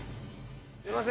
すいません。